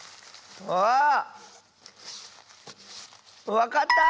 わかった！